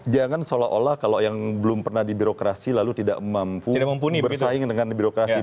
jangan seolah olah kalau yang belum pernah di birokrasi lalu tidak mampu bersaing dengan birokrasi